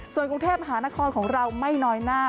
ส่วนกรุงเทพมหานครของเราไม่น้อยหน้า